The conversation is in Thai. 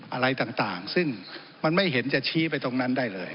อะไรต่างซึ่งมันไม่เห็นจะชี้ไปตรงนั้นได้เลย